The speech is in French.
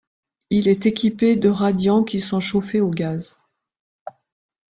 Il est équipé de radiants qui sont chauffés au gaz.